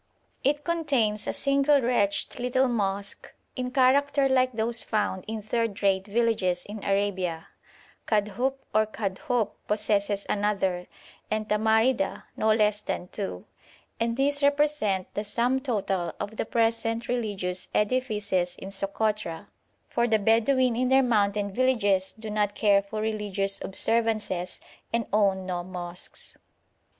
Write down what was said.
It contains a single wretched little mosque, in character like those found in third rate villages in Arabia; Kadhoup or Kadhohp possesses another, and Tamarida no less than two; and these represent the sum total of the present religious edifices in Sokotra, for the Bedouin in their mountain villages do not care for religious observances and own no mosques.